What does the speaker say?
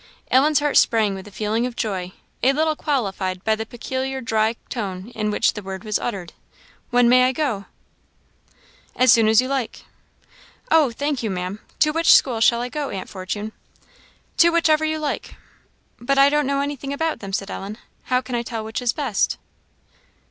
Ellen's heart sprang with a feeling of joy, a little qualified by the peculiar dry tone in which the word was uttered. "When may I go?" "As soon as you like." "Oh, thank you, Maam. To which school shall I go, Aunt Fortune?" "To whichever you like." "But I don't know anything about them," said Ellen "how can I tell which is best?"